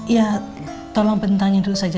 ya tolong bentangin dulu saja